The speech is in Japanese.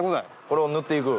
これを塗っていく？